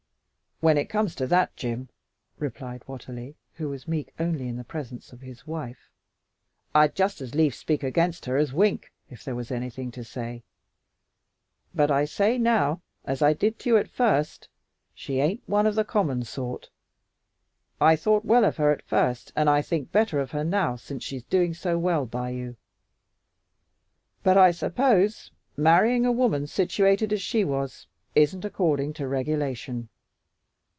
"When it comes to that, Jim," replied Watterly, who was meek only in the presence of his wife, "I'd just as lief speak against her as wink if there was anything to say. But I say now, as I said to you at first, she aint one of the common sort. I thought well of her at first, and I think better of her now since she's doing so well by you. But I suppose marrying a woman situated as she was isn't according to regulation.